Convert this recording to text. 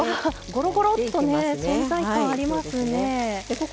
ごろごろっとね存在感ありますね。